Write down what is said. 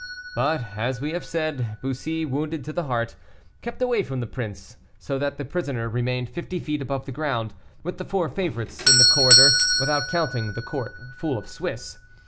But as we have said, Bussy, wounded to the heart, kept away from the prince, so the prisoner remained fifty feet above the ground, with the four favorites in the corridor, without counting the court full of Swiss.